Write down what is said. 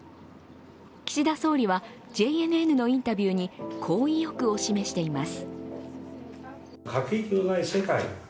岸田総理は、ＪＮＮのインタビューにこう意欲を示しています。